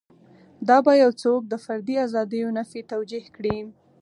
دا به یو څوک د فردي ازادیو نفي توجیه کړي.